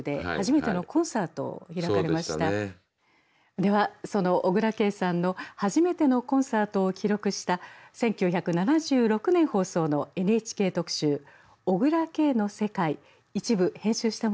ではその小椋佳さんの初めてのコンサートを記録した１９７６年放送の「ＮＨＫ特集小椋佳の世界」一部編集したものをご覧下さい。